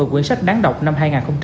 quyển sách đáng đọc năm hai nghìn hai mươi